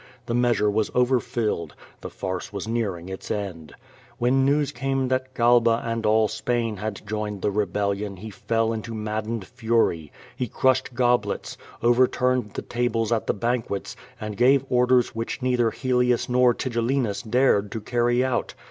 The measure was overfilled. The farce was nearing its end. When news came that Galba and all Spain had joined the rebellion he fell into maddened fury. He crushed goblets, overturned the tables at the banquets, and gave orders which neither Hel ius nor Tigellinus dared to carry out.